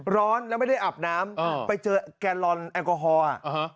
ร้อนแล้วไม่ได้อาบน้ำไปเจอแกลลอนแอลกอฮอลอ่ะฮะ